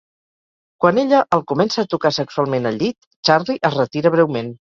Quan ella el comença a tocar sexualment al llit, Charlie es retira breument.